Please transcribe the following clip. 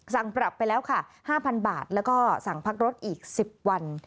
สั่งปรับไปแล้วค่ะ๕๐๐บาทแล้วก็สั่งพักรถอีก๑๐วัน